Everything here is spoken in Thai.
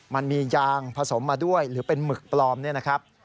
มันมียางผสมมาด้วยหรือเป็นหมึกปลอมเนี่ยนะครับ